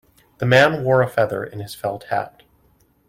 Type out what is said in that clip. The man wore a feather in his felt hat.